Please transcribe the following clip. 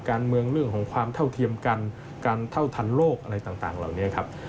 เรื่องของความเท่าเทียมกันการเท่าทันโลกอะไรต่างเหล่านี้ครับ